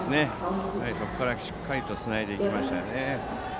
そこからしっかりとつないでいきましたね。